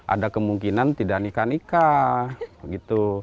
ada kemungkinan tidak nikah nikah begitu